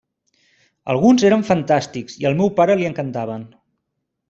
Alguns eren fantàstics i al meu pare li encantaven.